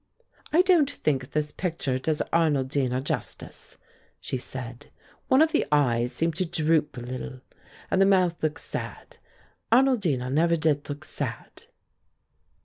"I don't think this picture does Arnoldina justice," she said. "One of the eyes seems to droop a little, and the mouth looks sad. Arnoldina never did look sad."